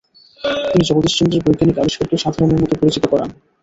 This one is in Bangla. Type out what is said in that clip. তিনি জগদীশচন্দ্রের বৈজ্ঞানিক আবিষ্কারকে সাধারণের মধ্যে পরিচিত করান।